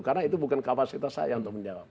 karena itu bukan kapasitas saya untuk menjawab